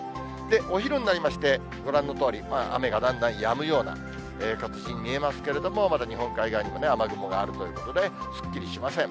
お昼になりまして、ご覧のとおり、雨がだんだんやむような形に見えますけれども、まだ日本海側にも雨雲があるということで、すっきりしません。